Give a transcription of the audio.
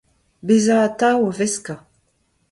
bezañ atav o veskañ